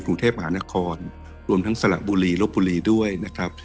กรุงเทพมหานครรวมทั้งสละบุรีลบบุรีด้วยนะครับ